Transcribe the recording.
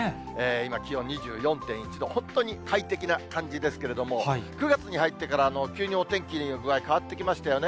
今、気温２４．１度、本当に快適な感じですけれども、９月に入ってから、急にお天気の具合変わってきましたよね。